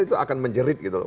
itu akan menjerit gitu loh